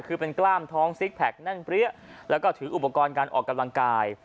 คือเป็นกล้ามท้องซิกแพคแน่นเปรี้ยแล้วก็ถืออุปกรณ์การออกกำลังกาย